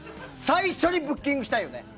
最初にブッキングしたいよね。